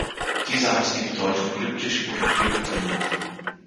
Dieser hat die Bedeutung "glücklich" oder "Glück bringend".